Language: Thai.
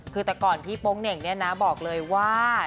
คือแต่ก่อนที่โป้งเนหมาบอกเลยว่า